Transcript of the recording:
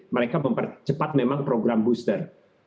mereka mempercepat memang program booster